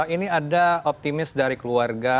ini ada optimis dari keluarga